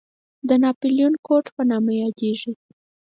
د ناپلیون کوډ په نامه یادېږي.